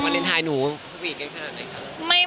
อ้าวอันนั้นทายกูสวีทแค่ไหนคะ